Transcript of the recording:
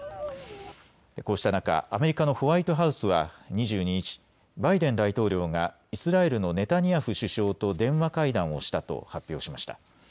こうした中、アメリカのホワイトハウスは２２日、バイデン大統領がイスラエルのネタニヤフ首相と電話会談をしたと発表しました。